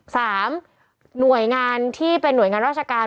สามหน่วยงานที่เป็นหน่วยงานราชการ